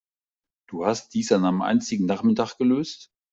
Du hast dies an einem einzigen Nachmittag gelöst?